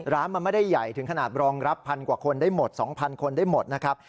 ร้านมันไม่ได้ใหญ่ถึงขนาดรองรับพันกว่าคนได้หมด๒๐๐คนได้หมดนะครับ